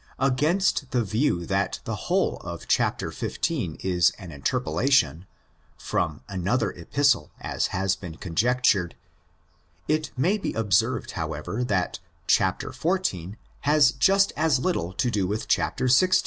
Against the view that the whole of chapter xv. 18 an interpolation (from another Epistle, as has been conjectured), it may be observed, however, that chapter xvi. has just as little to do with chapter xiv.